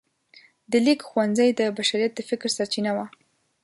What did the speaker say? د لیک ښوونځی د بشریت د فکر سرچینه وه.